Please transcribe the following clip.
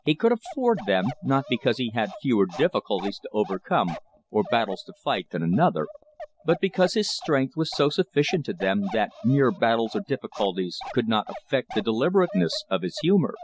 He could afford them, not because he had fewer difficulties to overcome or battles to fight than another, but because his strength was so sufficient to them that mere battles or difficulties could not affect the deliberateness of his humor.